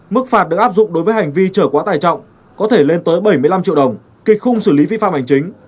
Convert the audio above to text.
mức phạt được áp dụng đối với hành vi chở hóa tải trọng có thể lên tới bảy mươi năm triệu đồng kịch khung xử lý phi phạm hành chính